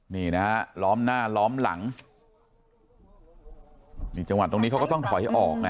นี่นะฮะล้อมหน้าล้อมหลังนี่จังหวัดตรงนี้เขาก็ต้องถอยออกนะ